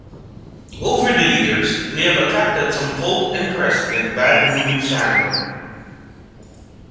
Over the years, they have attracted some cult interest in bad movie fandom.